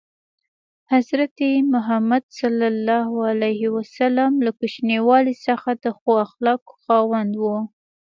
حضرت محمد ﷺ له کوچنیوالي څخه د ښو اخلاقو خاوند و.